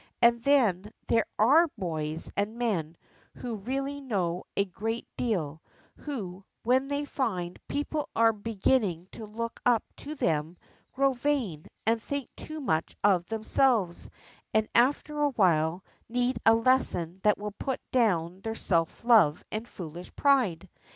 And then, there are boys and men, who really know a great deal, who, when they find people are beginning to look up to them, grow vain, and think too much of themselves, and after awhile need a lesson that will put down their self love and foolish pride.